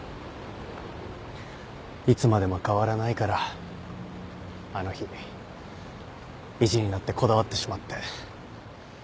いつまでも変わらないからあの日意地になってこだわってしまって。